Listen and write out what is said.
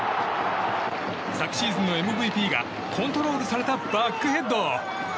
昨シーズンのＭＶＰがコントロールされたバックヘッド。